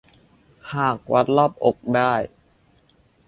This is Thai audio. หากวัดรอบอกได้